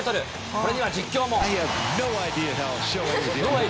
これには実況も。